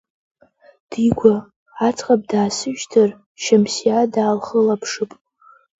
Дигәа, аӡӷаб даасышьҭыр, Шьамсиа даалхылаԥшып!